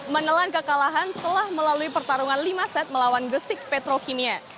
menelan kekalahan setelah melalui pertarungan lima set melawan gresik petrokimia